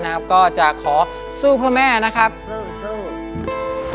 สสสสสสส